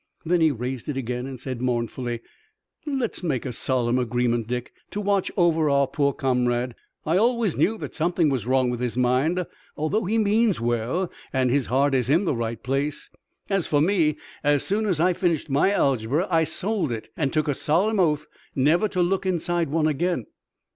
Then he raised it again and said mournfully: "Let's make a solemn agreement, Dick, to watch over our poor comrade. I always knew that something was wrong with his mind, although he means well, and his heart is in the right place. As for me, as soon as I finished my algebra I sold it, and took a solemn oath never to look inside one again.